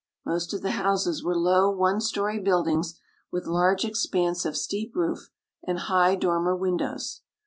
Most of the houses were low, one story buildings, with large expanse of steep roof, and high dormer windows.